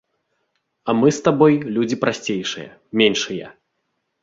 А мы з табой людзі прасцейшыя, меншыя.